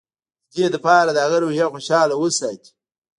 د دې لپاره چې د هغه روحيه خوشحاله وساتي.